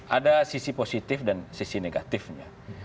ada sisi positif dan sisi negatifnya